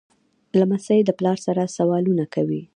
لمسی د پلار سره سوالونه کوي.